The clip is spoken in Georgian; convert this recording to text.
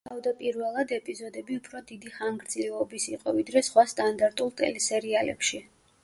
თავდაპირველად ეპიზოდები უფრო დიდი ხანგრძლივობის იყო, ვიდრე სხვა სტანდარტულ ტელესერიალებში.